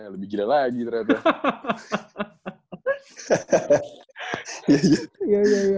lebih gila lagi ternyata